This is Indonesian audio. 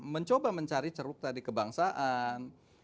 mencoba mencari ceruk tadi kebangsaan